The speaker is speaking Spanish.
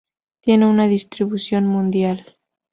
Tienen una distribución mundial.